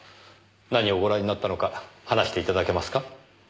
何をご覧になったのか話していただけますか？